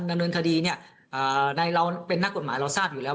ดำเนินคดีเนี่ยในเราเป็นนักกฎหมายเราทราบอยู่แล้ว